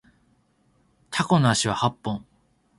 タコの足は八本